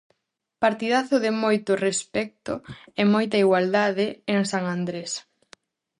Partidazo de moito respecto e moita igualdade en San Andrés.